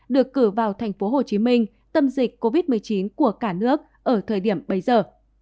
được cử vào tp hcm tâm dịch covid một mươi chín của cả nước ở thời điểm bây giờ